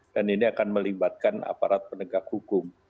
dan ini akan melibatkan aparat penegak hukum